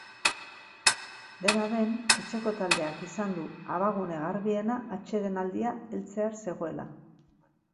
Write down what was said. Dena den, etxeko taldeak izan du abagune garbiena atsedenaldia heltzear zegoela.